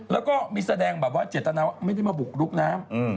แล้วก็มีแสดงแบบว่าเจตนาว่าไม่ได้มาบุกลุกน้ำ